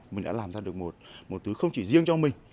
mình đã làm ra được một thứ không chỉ riêng cho mình